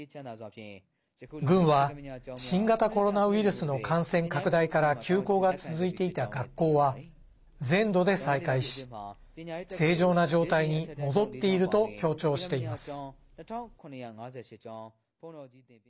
軍は、新型コロナウイルスの感染拡大から休校が続いていた学校は全土で再開し正常な状態に戻っていると強調しています。